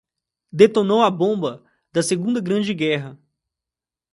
Detonou a bomba da Segunda Grande Guerra